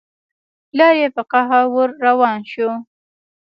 پلار يې په قهر ور روان شو.